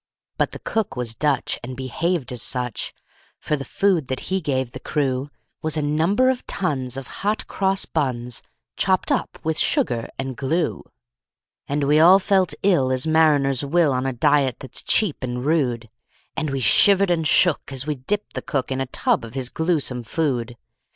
But the cook was Dutch, and behaved as such; For the food that he gave the crew Was a number of tons of hot cross buns, Chopped up with sugar and glue. And we all felt ill as mariners will, On a diet that's cheap and rude; And we shivered and shook as we dipped the cook In a tub of his gluesome food.